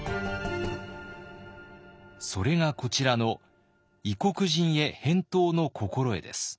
それがこちらの「異国人江返答之心得」です。